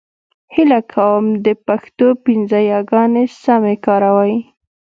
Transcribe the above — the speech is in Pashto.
هيله کوم د پښتو پنځه يېګانې سمې کاروئ !